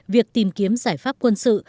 việc tìm kiếm giải pháp quân sự